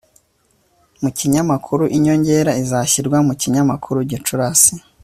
Ku kinyamakuru inyongera izashyirwa mu kinyamakuru Gicurasi